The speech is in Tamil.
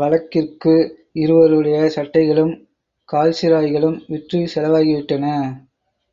வழக்கிற்கு இருவருடைய சட்டைகளும், கால்சிராய்களும் விற்று செலவாகி விட்டன.